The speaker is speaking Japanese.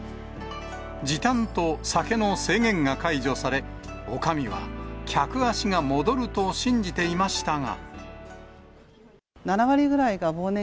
時短と酒の制限が解除され、おかみは客足が戻ると信じていましたが。